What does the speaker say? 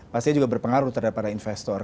pastinya juga berpengaruh terhadap para investor